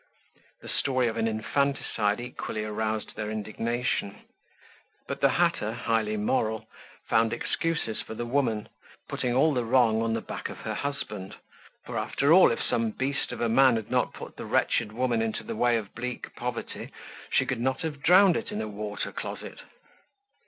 The story of an infanticide equally aroused their indignation; but the hatter, highly moral, found excuses for the woman, putting all the wrong on the back of her husband; for after all, if some beast of a man had not put the wretched woman into the way of bleak poverty, she could not have drowned it in a water closet.